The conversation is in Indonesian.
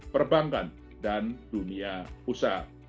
perbankan dan dunia pusat